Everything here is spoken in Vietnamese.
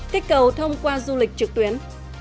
kết cầu thông qua du lịch trực tuyến